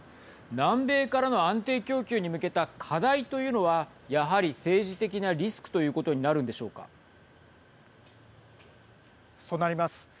南米からの安定供給に向けた課題というのはやはり政治的なリスクということにそうなります。